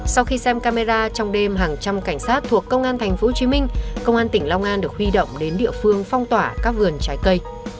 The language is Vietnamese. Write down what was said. sau khi xem camera trong đêm hàng trăm cảnh sát thuộc công an tp hcm công an tỉnh long an được huy động đến địa phương phong tỏa các vườn trái cây